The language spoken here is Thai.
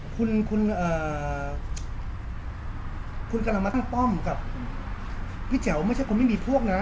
คุณคุณกำลังมาทั้งป้อมกับพี่แจ๋วไม่ใช่คุณไม่มีพวกนะ